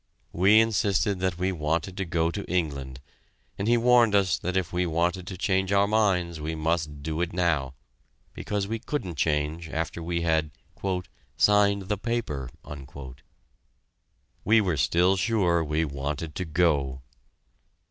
We insisted that we wanted to go to England, and he warned us that if we wanted to change our minds we must do it now; because we couldn't change after we had "signed the paper." We were still sure we wanted to go!